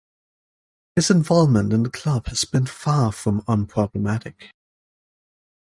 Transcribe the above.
His involvement in the club has been far from unproblematic.